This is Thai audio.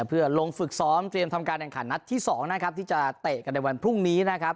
เพื่อลงฝึกซ้อมเตรียมทำการแข่งขันนัดที่๒นะครับที่จะเตะกันในวันพรุ่งนี้นะครับ